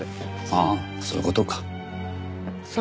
ああそういう事か。